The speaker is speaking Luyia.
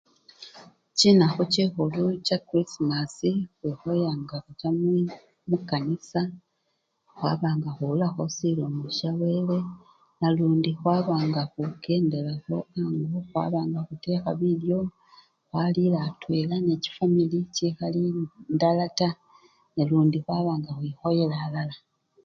Chinakhu chikhulu nga cha kurisimasi khwikhoya nga khucha mwi mukanisa khwaba nga khuwulilakho silomo shawele nalundi khwaba nga khukendelakho ango khwaba nga khutekha bilyo khwalila atwela nechifamili chikhali ndala taa nalundi khwaba nga khwikhoyela alala.